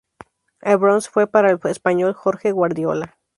El bronce fue para el español Jorge Guardiola.